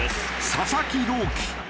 佐々木朗希。